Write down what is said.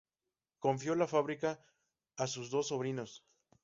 Confió la fábrica a sus dos sobrinos.